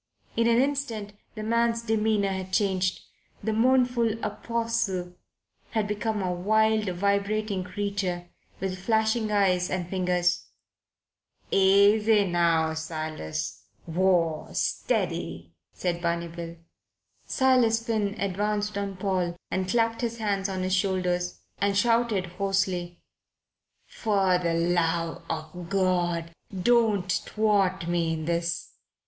In an instant the man's demeanour had changed. The mournful apostle had become a wild, vibrating creature with flashing eyes and fingers. "Easy, now, Silas. Whoa! Steady!" said Barney Bill. Silas Finn advanced on Paul and clapped his hands on his shoulders and shouted hoarsely: "For the love of God don't thwart me in this.